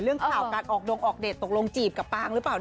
เรื่องข่าวการออกดงออกเดทตกลงจีบกับปางหรือเปล่า